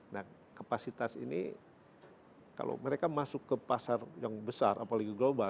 nah kapasitas ini kalau mereka masuk ke pasar yang besar apalagi global